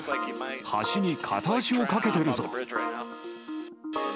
橋に片足をかけてるぞ。